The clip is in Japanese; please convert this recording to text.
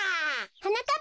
はなかっ